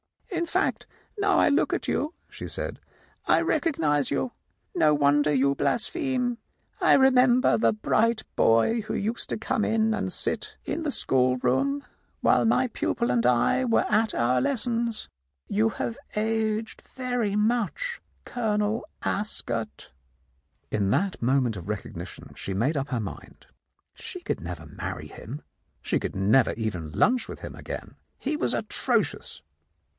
"In fact, now I look at you," she said, "I recog nize you. No wonder you blaspheme. I remember the bright boy who used to come in and sit in the 21 The Countess of Lowndes Square schoolroom while my pupil and I were at our lessons. You have aged very much, Colonel Ascot." In that moment of recognition, she made up her mind. She could never marry him ; she could never even lunch with him again. He was atrocious.